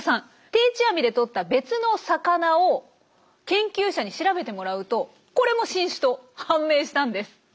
定置網でとった別の魚を研究者に調べてもらうとこれも新種と判明したんです。